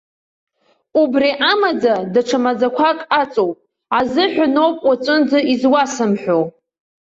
Убри амаӡа даҽа маӡақәак аҵоуп азыҳәан ауп уаҵәынӡа изуасымҳәо.